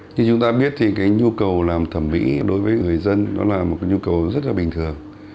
như chúng ta biết thì cái nhu cầu làm thẩm mỹ đối với người dân nó là một cái nhu cầu rất là bình thường